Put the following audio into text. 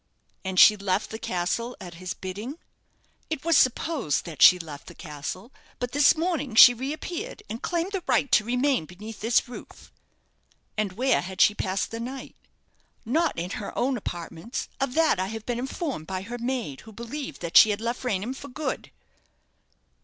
"And she left the castle at his bidding?" "It was supposed that she left the castle; but this morning she reappeared, and claimed the right to remain beneath this roof." "And where had she passed the night?" "Not in her own apartments. Of that I have been informed by her maid, who believed that she had left Raynham for good."